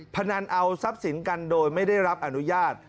พนันเอาทรัพย์สินกันโดยไม่ได้รับอนุญาต